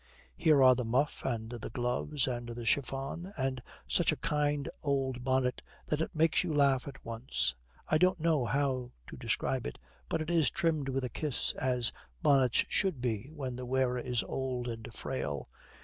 Here are the muff and the gloves and the chiffon, and such a kind old bonnet that it makes you laugh at once; I don't know how to describe it, but it is trimmed with a kiss, as bonnets should be when the wearer is old and frail.